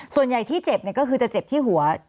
ส่วนใหญ่ที่เจ็บก็คือจะเจ็บที่หัว